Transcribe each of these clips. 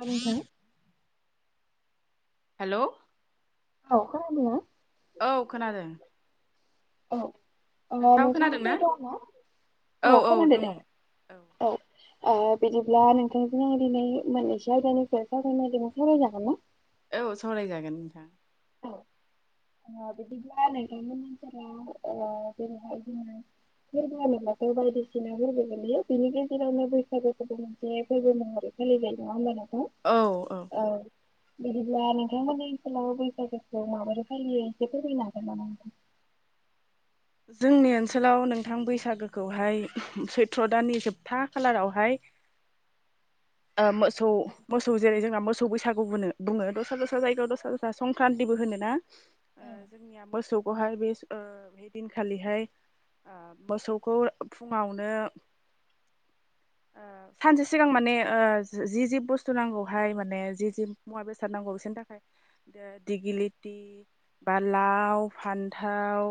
आरो नोंथां। हेलौ अ खोनादोंना? औ खोनादों। औ ओमफाय नोंथाङाबो खोनादों नोंथाङा ना फ्रि दंना औ औ खोनादों दङ दे औ औ औ बिदिब्ला नोंथांजों आं दिनै मोननैसो आयदानिफ्राय सावरायनायदोंमोन सावरायजागोन ना? औ सावरायजागोन नोंथां। अ बिदिब्ला नोंथांमोननि ओनसोलाव ओ जेरैहाय जोङो फोरबो होनबाथाय बायदिसिना फोरबो गोलैयो बिनि गेजेरावनो बैसागोखौबो मोनसे फोरबो महरै फालिबोबाय दं अनलाइनाव। औ औ बिदिब्ला नोंथां मोननि ओनसोलाव बैसागखौ माबोरै? फालियो एसे फोरमायनो हागोन नामा नोंथां? जोंनि ओनसोलाव नोंथां बैसागोखौहाय सैथ्र' दाननि जोबथा खालारावहाय [inaudible] ओ मोसौ मोसौ जेरै जोंहा मोसौ बैसागु बुनो बुङो दस्रा दस्रा जायगायाव दस्रा दस्रा संक्रान्ति बो होनो ना ओ औ जोंनिया मोसौखौहाय बे ओ बे दिनखालिहाय ओ मोसौखौ फुङावनो ओ सानसे सिगां माने ओ जि जि बुस्थु नांगौहाय माने जि जि मुवा बेसाद नांगौ बिसोरनि थाखाय दि गिलिति बा लाव फान्थाव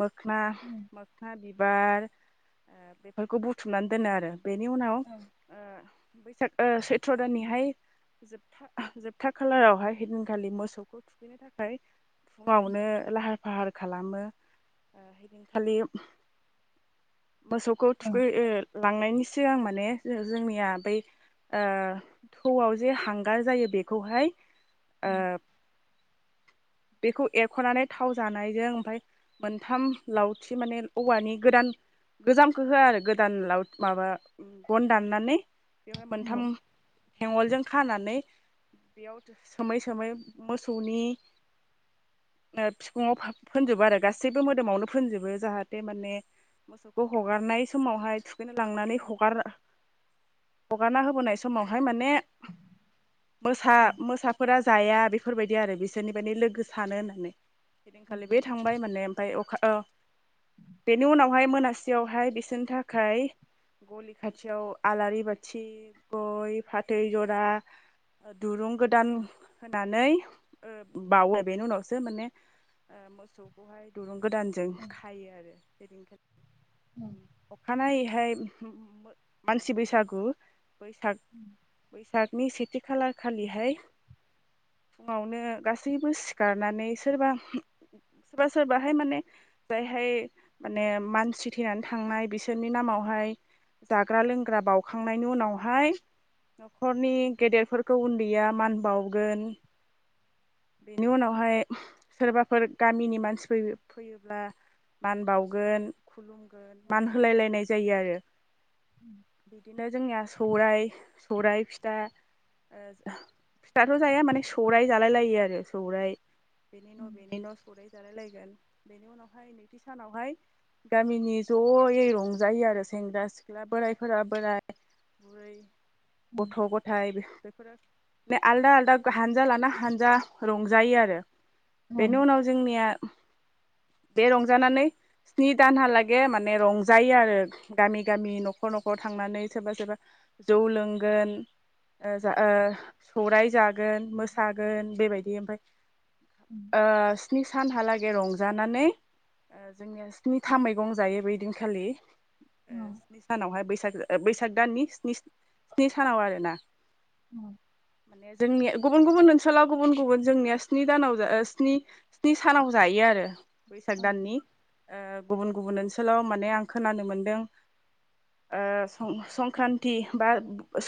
मोखना, औ मोखना बिबार ओ बेफोरखौ बुथुमनानै दोनो आरो। बेनि उनाव ओ बैसाग ओ सैथ्र' दाननिहाय जोबथा जोबथा खालारावहाय हैदिनखालि मोसौखौ थुखैनो थाखाय फुङावनो लाहार फाहार खालामो। हैदिनखालि मोसौखौ औ थुखै ओ लांनायनि सिगां माने जो-जोंनिया बै ओ थौआव जे हांगार जायो बेखौहाय ओ बेखौ एरख'नानै थाव जानायजों ओमफाय मोनथाम लावथि माने औवानि गोदान गोजामखो होआ आरो गोदान लाव माबा गन दाननानै औ मोनथाम थेंवलजों खानानै बेयाव सोमै सोमै मोसौनि ओ फिखुङाव फा फोनजोबो आरो गासैबो मोदोमावनो फोनजोबो जाहाथे माने मोसौखौ हगारनाय समावहाय थुखैनो लांनानै हगार [inaudible] हगारना होबोनाय समावहाय माने मोसा मोसाफोरा जाया बेफोरबायदि आरो बिसोरनि माने लोगो सानो होननानै। ओइदिनखालि बे थांबाय माने ओमफ्राय ओ अखा [inaudible] बेनि उनावहाय मोनासियावहाय बिसोरनि थाखाय गलि खाथियाव आलारि बा थि, गय फाथै जरा दुरुं गोदान होनानै बावो। बेनि उनावसो माने ओ मोसौखौहाय दुरुं गोदानजों खायो आरो औ ओइदिनखालि। अखानायैहाय मानसि बैसागु। बैसाग बैसागनि सेथि खालारखालिहाय फुङावनो गासैबो सिखारनानै सोरबा सोरबा सोरबाहाय माने जायहाय माने मानसि थैनानै थांनाय बिसोरनि नामावहाय जाग्रा लोंग्रा बावखांनायनि उनावहाय न'खरनि गेदेरफोरखौ उन्दैया मान बावगोन। बेनि उनावहाय सोरबाफोर गामिनि मानसि फै-फैयोब्ला मान बावगोन, खुलुमगोन, मान होलायलायनाय जायो आरो। बिदिनो जोंनिया सौराय सौराय फिथा ओ फिथाथ' जाया माने सौराय जालाय लायो आ सौराय बेनि न' बेनि न' सौराय जालायलाय गोन। बेनि उनावहाय नैथि सानावहाय गामिनि ज'यै रंजायो आरो सेंग्रा सिख्ला बोरायफोरा बोराय बुरै। औ गथ' गथाय बेफोरो आलदा आलदा हानजा लाना हानजा रंजायो आरो औ बेनि उनाव जोंनिया [inaudible] बे रंजानानै स्नि दानहालागे माने रंजायो आरो गामि गामि न'खर न'खर थांनानै सोरबा सोरबा जौ लोंगोन ओ जा ओ सौराय जागोन, मोसागोन बेबाय दि ओमफाय जोंनि ओ स्नि सानहाला गे रंजानानै, ओ जोङो स्निथा मैगं जायो बै दिनखालि। ओ स्नि सानावहाय बैसाग बैसाग दाननि स्नि सानाव आरोना। [inaudible] जोंनि गुबुन गुबुन ओनसोलाव गुबुन गुबुन जोंनिया स्नि दानाव ओ स्नि स्नि सानाव जायो आरो बैसाग दाननि ओ गुबुन गुबुन ओनसोलाव माने आं खोनानो मोनदों ओ सं संक्रान्ति बा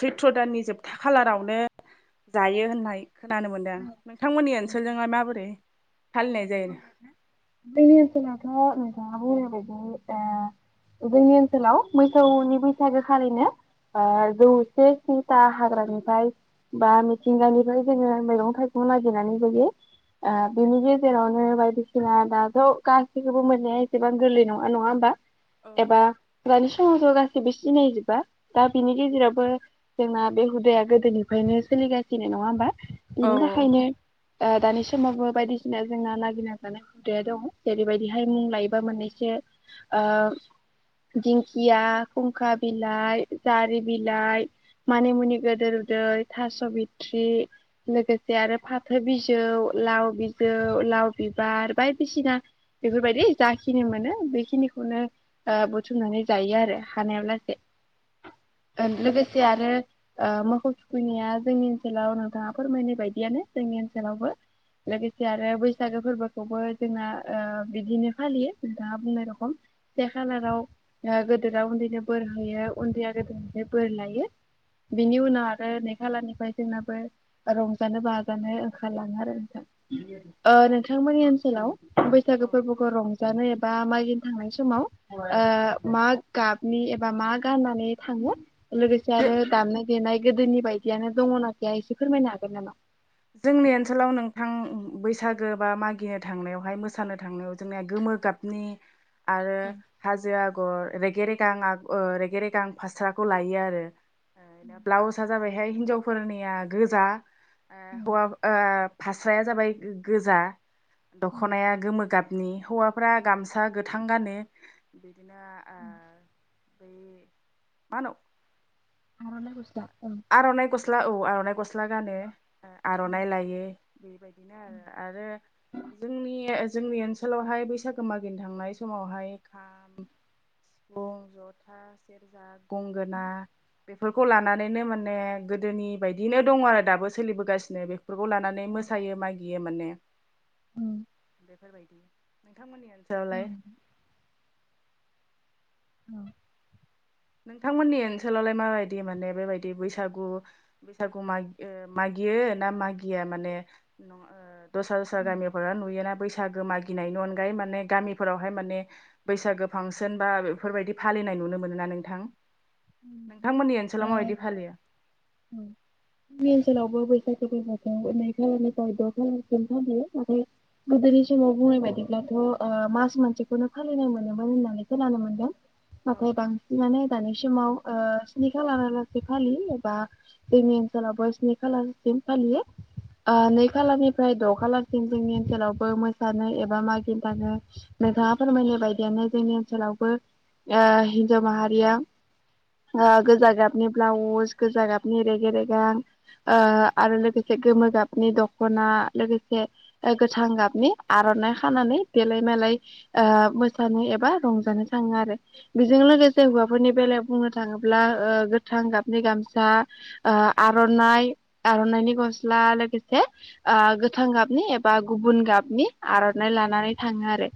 सैथ्र' दाननि जोबथा खालारावनो जायो होननाय खोनानो मोनदों नोंथांमोननि ओनसोलजोंहाय माबोरै? फालिनाय जायो? जोंनि ओनसोलावथ' नोंथाङा बुंनाय बादिनो ओ जोंनि ओनसोलाव मोसौनि बैसागो खारैनो ओ जौसे स्निथा हाग्रानिफ्राय बा मिथिंगानिफ्राय जोङो मैगं थाइगं नागिरनानै जायो ओ बेनि गे जेरावनो बायदिसिना दाथ' गासिखौबो मोननाया एसेबां गोरलै नङा नङा होमबा? औ एबा दानि समाव ज' गासैबो सिनायजोबा दा बिनि गेजेरावबो जोंना बे हुदाया गोदोनिफ्रायनो सोलिगासिनो नङा होमबा औ बिनि थाखायनो ओ दानि समावबो बायदि दा जोंहा नागिरना जानाय हुदाया दं जेरैबायदिहाय मुं लायोबा मोननैसो ओ दिंखिया, खुंखा बिलाइ जारि बिलाइ मानिमुनि गोदोर उदै थास' बिथ्रि लोगोसे आरो फाथो बिजौ लाव बि जौ, लाव बिबार बायदिसिना बेफोरबायदि जाखिनि मोनो बेखिनिखौनो ओ बुथुमनानै जायो आरो हानायाव लासे लोगोसे आरो ओ मोसौ थुखैनाया जोंनि ओनसोलाव नोंथाङा फोरमायनायबायदियानो जोंनि ओनसोलावबो लोगो से आरो बैसागो फोरबोखौबो जोंना ओ बिदिनो फालियो नोंथाङा बुंनाय रखम से खालाराव गोदोरा उन्दैनो बोर होयो उन्दैया गोदोरनिफ्राय बोर लायो। बिनि उनाव आरो नै खालारनिफ्राय जोंनाबो रंजानो बाजानो ओंखारलाङो आरो नोंथां। ओ नोंथांमोननि ओनसोलाव औ बैसागो फोरबोखौ रंजानाय ए बा मागिनो थांनाय समाव मा गाब नि एबा मा गाननानै थाङो लोगोसे आरो जे दामनाय देनाय गोदोनि बायदियानो दङोना गैया एसे फोरमायनो हागोन नामा? जोंनि ओनसोलाव नोंथां बैसागो बा मागिनो थांनायावहाय मोसानो थांनायाव जोंनिया गोमो गाबनि आरो औ हाजो आ गर रेगे रेगां आग ओ रेगे रेगां फास्राखौ लायो आरो ओ ब्लाउस आ जाबाय बेहाय हिनजावफोरनिया गोजा हौवा ओ फास्राया जाबाय गोजा दख'नाया गोमो गाब नि हौवाफ्रा गामसा गोथां गानो बिदिनो ओ [unintelligible] [unintelligible] आर'नाइ गस्ला औ आर'नाइ गस स्ला गानो आर'नाइ लायो बेबायदिनो आरो आरो जोंनि जोंनि ओनसोलावहाय बैसागो मागिनो थांनाय समावहाय खाम सिफुं, जथा, सेरजा, गंगोना बेफोरखौ लानानैनो मा ने गोदोनि बायदिनो दङ आरो दाबो सोलिबोगासिनो बे फोरखौ लानानै मोसायो मागियो माने औ बेफोरबायदि नोंथांमोननि ओनसोलावलाय औ नोंथांमोननि ओनसोलावलाय माबायदि माने बेबायदि बैसागु बैसागु माग ओ गियो ना मागिया माने दस्रा दस्रा औ गामिफोरा नुयोना बैसागो मागिनायनि अनगायै माने गामिफोरावहाय माने बैसागो फांसन बा बेफोरबायदि फालि नाय नुनो मोनो ना नोंथां नोंथांमोननि ओनसोलााव माबायदि फालियो? उम जोंनि ओनसोलावबो बैसागु फोरबोखौ नै खालारनिफ्राय द' खालारसिम फालियो नाथाय गोदोनि समाव बुंनाय बायदिब्लाथ' ओ मास मोनसेखौनो फालिनाय मोनोमोन होननानै खोनानो मोनदों। औ नाथाय बांसिनानो दानि समाव ओ स्नि खालारालासे फालियो एबा जोंनि ओनसोलावबो स्नि खालारसिम फालियो। ओ नै खालारनिफ्राय द' खालारसिम जोंनि ओनसोलावबो मोसानाय एबा मागिनामै नोंथाङा फोरमायनाय बायदियानो जोंनि ओनसोलावबो ओ हिनजाव माहारिया गोजा गाबनि ब्लाउज गोजा गाबनि नि रेगे रेगां ओ आरो लोगोसे गोमो गाबनि दख्ना लोगोसे गोथां गाबनि आर'नाइ खानानै देलाय मेलाय मोसानो एबा रंजानो थाङो आरो बेजों लोगोसे हौवाफोरनि बेलायाव बुंनो थाङोब्ला गोथां गाबनि गामसा आर'नाइ आर'नाइनि गस्ला लोगोसे गोथां गाबनि एबा बा गुबुन गाबनि आर'नाइ लानानै थाङो आरो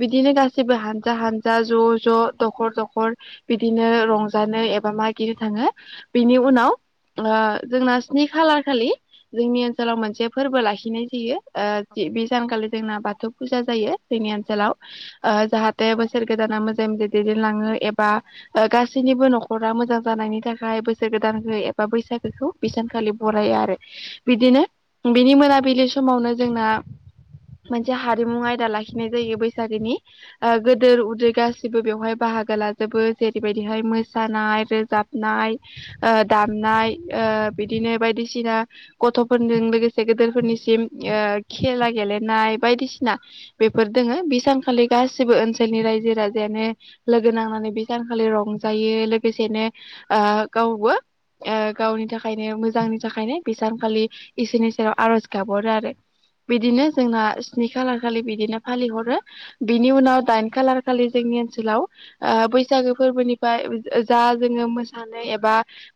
बिदिनो गासैबो हानजा हानजा ज' ज' दखर दखर बिदिनो रंजानो एबा मागिनो थाङो बिनि उनाव जोंना स्नि खालार खालि जोंनि ओनसोलाव मोनसे फोरबो लाखिनाय जायो बे सानखालि जोंना बाथौ फुजा जायो जोंनि औ ओनसोलाव जाहाथे बोसोर गोदाना मोजाङै मोजां दैदेनलाङो एबा गासैनिबो न'खरा मोजां जानायनि थाखाय बोसोर गोदान खौ एबा बैसागोखौ बि सानखालि बरायो आरो बिदिनो बिनि मोनाबिलि सम समावनो जोंना मोनसे हारिमु आयदा लाखिनाय जायो बैसागोनि गोदोर उदै गासिबो बेवहाय बाहागो बाहागो लाजोबो जेरैबायदिहाय मोसानाय रोजाबनाय दामनाय बिदिनो बायदिसिना गथ'फोरजों लोगोसे गदेरफोरनि खेला गेलेनाय बायदिसिना बेफोर दोङो बे सानखालि गासिबो ओनसोल ओनसोलनि रायजो राजायानो लोगो नांनानै बे सानखालि रंजायो लोगोसेनो गावबो गावनि थाखायनो मोजांनि थाखायनो बेसांखालि इसोरनि सेराव आर'ज गाबहरो आरो बिदिनो जोंना स्नि खालार खालि बिदिनो फालिहरो बिनि उनाव दाइन खालार खालि जों जोंनि ओनसोलाव बैसागो फोरबोनिफ्राय जा जोङो मोसानाय एबा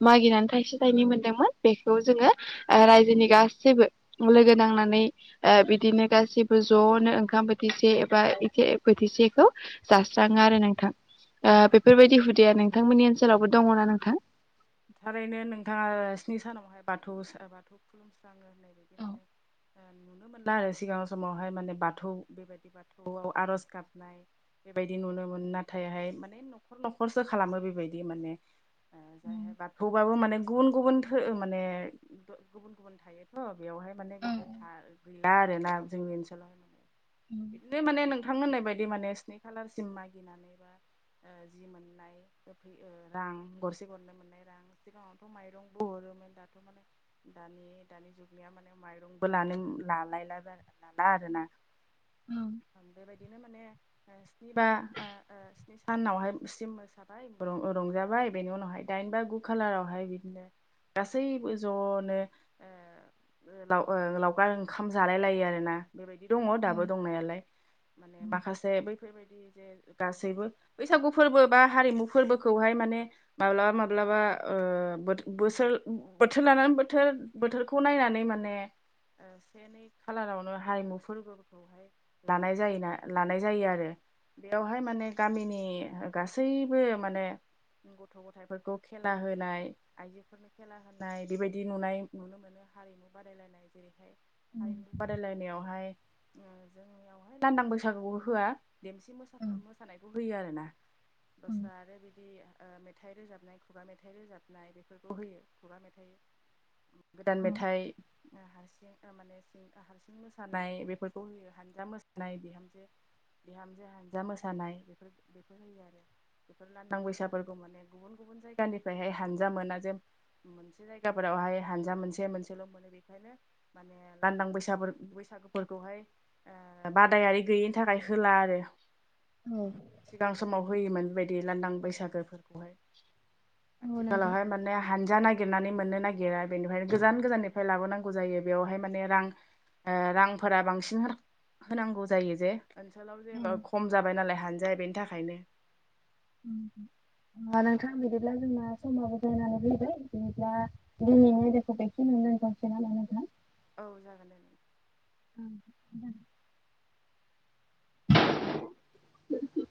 मागिनानै थाइसे थाइनै मोनदोंमोन बेखौ जोङो रायजोनि गासिबो लोगो नांनानै बिदिनो गासिबो ज'नो ओंखाम बोथिसे एबा ए बोथिसेखौ जाास्राङो आरो नोंथां औ बेफोरबायदि हुदाया नोंथांमोननि ओनसोलावबो दङना नोंथां थारैनो नोंथाङा स्नि सानावहाय बाथौ बाथौ खुलुमस्राङो होननाय बायदि मोनो नुनो मोनला आरो सिगां समावहाय माने बाथौ बेबायदि बाथौआव आरज गाबनाय बेबायदि नुनो मोन नाथायहाय माने न'खर न'खरसो खालामो बेबायदि माने बाथौबाबो माने गुबुन गुबुन माने गुबुन गुबुन थायोथ' बेवहाय माने औ बिदि गैला आरोना जोंनि ओनसोलावहाय माने बिदिनो माने नोंथां मोननाय बायदि माने स्नि खालारसिम मागिनानैबा जि मोननाय फै रां गरसे गरनै मोननाय रां [unintelligible] सिगाङावथ' माइरंबो हरोमोन दाथ' माने दानि दानि जुगनिया माने माइरंबो लानो लालायला लाला आरोना औ बेबायदि बिदिनो माने स्नि बा स्नि सानावहाय सिम मोसाबाय रंजाबाय बेनि उनावहाय दाइन बा गु खालारावहाय बिदिनो गासैबो ज'नो लावखार ओंखाम जालाय लायो आरो ना बेबायदि दङ औ दाबो दंनायालाय माने माखासे बैफोरबायदि जे गासैबो बैसागु फोरबो बा हारिमु फोरबोखौहाय म माबा माब्लाबा बोर बोथोर लानानै बोथोर बोथोरखौ नायनानै माने से नै खालारावनो हारिमु फोरबोखौहाय लानाय जायोा लानाय जायो आरो बेयावहाय माने गामिनि गासैबो माने गथ' गथायाइफोरखौ खेला होनाय आइजोफोरनो खेला होनाय बेबायदि नुनाय नुनो मोनो हारिमु बादायलायनाय जेरै हारिमु बादायलायनायावहाय जोंनियावहाय लान्दां बैसागुखौ होआ देमसि मोसानायखौ होयो आरो ना दस्रा आरो बिदि मेथाइ रोजाबनायखौ खुगा मेथाइ रोजाबनाय बेफोरखौ होयो खुगा मेथाइ गोदान औ मेथाइ हारसिं माने हारसिं मोसानाय बेफोरखौ होयो हानजा मोसानाय बिहामजो बिहामजो हानजा मोसानाय बेफोर बेफोर होयो आरो बेफोर लान्दां बैसाफोरखौ माने गुबुन गुबुन जायगानिफ्रायहाय हानजा मोना जे मोनसे जायगाफोरावहाय हानजा मोनसे मोनसेल' मोनो बेखायनो माने लांदां बैसाग बैसागुफोरखौहाय बादायारि गैयैनि थाखाय होला आरो सिगां समाव होयोमोन बेबायदि लांदां बैसागोफोरखौहाय औ नोंथां आथिखालावहाय माने हान जा नागिरनानै मोननो नागिरा बेनिफ्रायनो गोजान गोजाननिफ्राय लाबोनांगौ जायो बेवहाय माने रां रांफोरा बांसिन होनांगौ जायो जे ओनसोलाव जेबो खम जाबाय हानजाया बेनि थाखायनो उम नोंथाङा बिदिला जोंना समाब बजायनानै फैबाय बिदिा दिनै आयदखौ बेखिनि [unintelligible] औ जागोन देे ओ [inaudible]